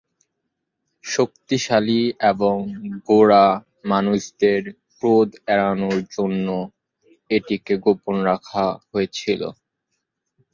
শক্তিশালী এবং গোঁড়া মানুষদের ক্রোধ এড়ানোর জন্য এটিকে গোপন রাখা হয়েছিল।